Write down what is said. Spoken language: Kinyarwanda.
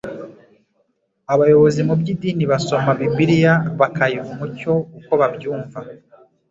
Abayobozi mu by'idini basoma Bibliya bakayiha umucyo uko babyumva,